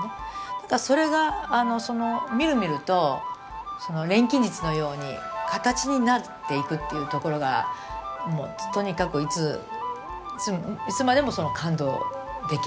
何かそれがみるみると錬金術のように形になっていくというところがとにかくいつまでも感動できると。